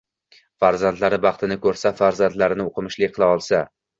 Farzandlari baxtini ko‘rsa, farzandlarini o‘qimishli qila olsa.